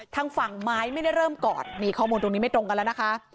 ทางฝั่งไม้ไม่ได้เริ่มกอดนี่ข้อมูลตรงนี้ไม่ตรงกันแล้วนะคะ